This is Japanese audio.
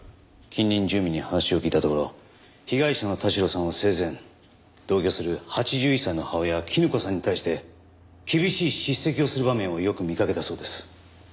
近隣住民に話を聞いたところ被害者の田代さんは生前同居する８１歳の母親絹子さんに対して厳しい叱責をする場面をよく見かけたそうです。